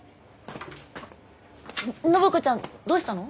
暢子ちゃんどうしたの？